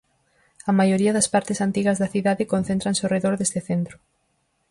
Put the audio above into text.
A maioría das partes antigas da cidade concéntranse ao redor deste centro.